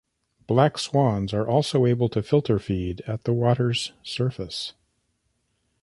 Black swans are also able to filter feed at the water's surface.